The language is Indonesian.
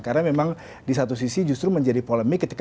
karena memang di satu sisi justru menjadi polemik